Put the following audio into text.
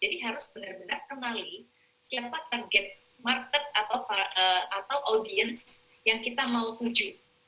jadi harus benar benar kenali siapa target market atau audience yang kita mau tuju